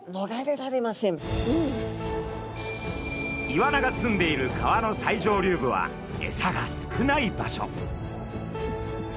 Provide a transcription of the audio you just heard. イワナがすんでいる川の最上流部はエサが少ない場所。